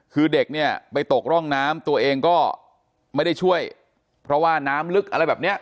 คือเด็กเนี่ยไปตกร่องน้ำตัวเองก็ไม่ได้ช่วยเพราะว่าน้ำลึกอะไรแบบเนี้ย